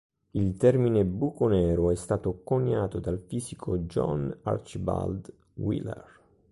Il termine "buco nero" è stato coniato dal fisico John Archibald Wheeler.